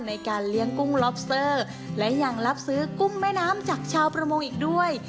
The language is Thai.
ในการเลี้ยงกุ้งล็อบสเตอร์และยังรับซื้อกุ้งแม่น้ำจากชาวประมงอีกด้วย